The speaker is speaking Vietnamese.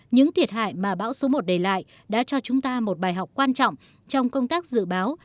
những thiệt hại mà bão số một đề lại đã cho chúng ta một bài học quan trọng trong công tác dự báo